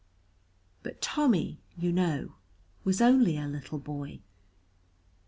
But Tommy, you know, was only a little boy.